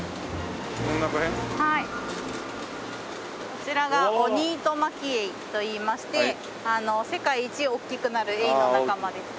こちらがオニイトマキエイといいまして世界一大きくなるエイの仲間です。